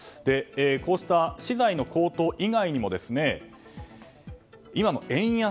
こうした資材の高騰以外にも今の円安